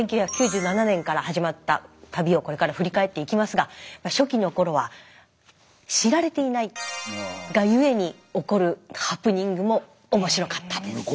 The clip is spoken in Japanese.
１９９７年から始まった旅をこれから振り返っていきますが初期の頃は知られていないがゆえに起こるハプニングも面白かったです。